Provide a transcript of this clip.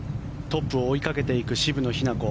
トップを追いかけていく渋野日向子。